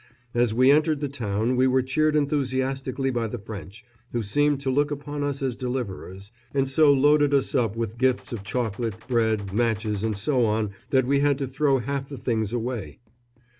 As we entered the town we were cheered enthusiastically by the French, who seemed to look upon us as deliverers, and so loaded us up with gifts of chocolate bread, matches and so on that we had to throw half the things away.